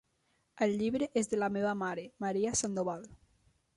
El llibre és de la meva mare, Maria Sandoval.